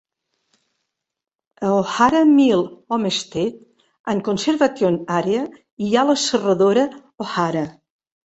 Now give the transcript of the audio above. A O'Hara Mill Homestead and Conservation Area hi ha la serradora O'Hara.